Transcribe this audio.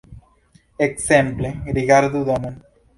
Ekzemple rigardu domon.